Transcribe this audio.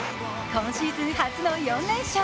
今シーズン初の４連勝。